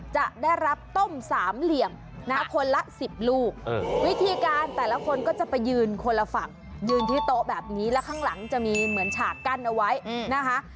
จะได้รับต้มสามเหลี่ยมนะคนละ๑๐ลูกวิธีการแต่ละคนก็จะไปยืนคนละฝั่งยืนที่โต๊ะแบบนี้แล้วข้างหลังจะมีเหมือนฉากกั้นเอาไว้นะคะ